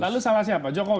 itu salah siapa jokowi